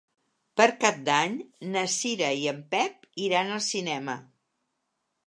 Per Cap d'Any na Cira i en Pep iran al cinema.